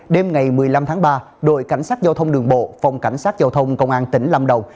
đêm ngày một mươi năm tháng ba đội cảnh sát giao thông đường bộ phòng cảnh sát giao thông công an tỉnh lâm đồng